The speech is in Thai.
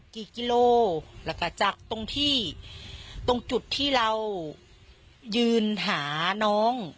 กิโลแล้วก็จากตรงที่ตรงจุดที่เรายืนหาน้อง